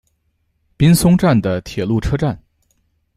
滨松站的铁路车站。